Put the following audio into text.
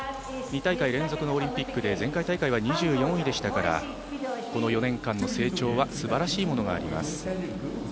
２大会連続のオリンピックで前回大会は２４位でしたからこの４年間の成長はすばらしいものがあります。